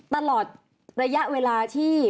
ตลอดระยะเวลาที่